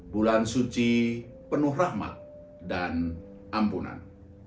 bulan suci penuh rahmat dan ampunan